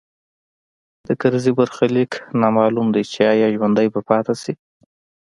د کرزي برخلیک نامعلوم دی چې ایا ژوندی به پاتې شي